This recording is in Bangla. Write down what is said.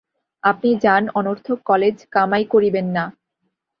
আপনি যান–অনর্থক কালেজ কামাই করিবেন না।